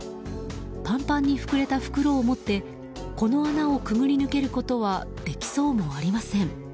パンパンに膨れた袋を持ってこの穴をくぐり抜けることはできそうもありません。